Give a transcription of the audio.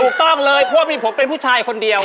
ถูกต้องเลยเพราะว่ามีผมเป็นผู้ชายคนเดียว